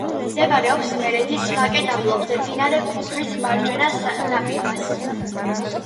მდებარეობს იმერეთის ვაკე-დაბლობზე, მდინარე კუხის მარჯვენა ნაპირას.